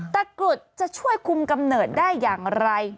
กรุดจะช่วยคุมกำเนิดได้อย่างไร